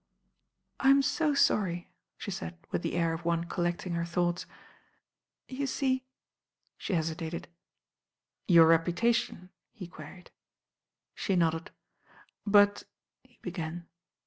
"I'm so sorry," she said with the air of one col lecting her thoughts. "You see " she hesi tated. "Your reputation," he queried. She nodded. "But " he began.